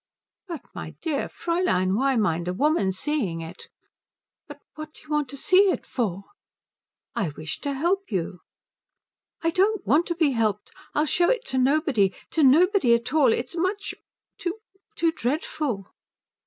"But my dear Fräulein, why mind a woman seeing it?" "But what do you want to see it for?" "I wish to help you." "I don't want to be helped. I'll show it to nobody to nobody at all. It's much too too dreadful."